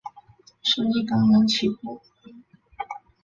生意刚刚起步